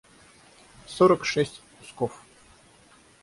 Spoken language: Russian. сорок шесть кусков